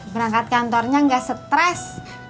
berangkat kantornya gak stres